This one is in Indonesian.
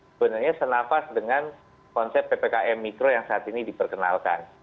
sebenarnya senafas dengan konsep ppkm mikro yang saat ini diperkenalkan